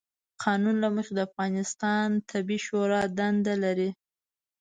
قانون له مخې، د افغانستان طبي شورا دنده لري،